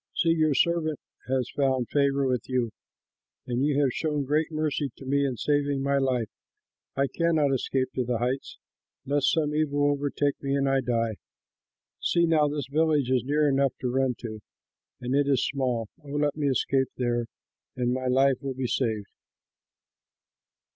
See, your servant has found favor with you, and you have shown great mercy to me in saving my life. I cannot escape to the heights, lest some evil overtake me, and I die. See now, this village is near enough to run to, and it is small. Oh, let me escape there, and my life will be saved."